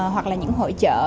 hoặc là những hội trợ